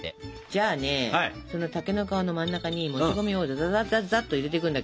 じゃあねその竹の皮の真ん中にもち米をざざざざざっと入れていくんだけど。